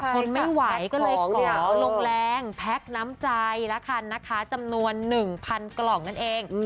ทนไม่ไหวก็เลยลงแรงแพ็คน้ำใจละคันนะคะจำนวน๑๐๐กล่องนั่นเอง